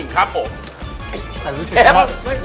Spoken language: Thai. เอามากินก่อน